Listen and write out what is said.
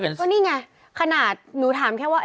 ก็นี่ไงขนาดหนูถามแค่ว่า